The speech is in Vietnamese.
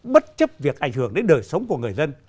bất chấp việc ảnh hưởng đến đời sống của người dân